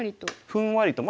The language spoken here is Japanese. ふんわりと。